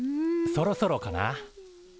そろそろかな？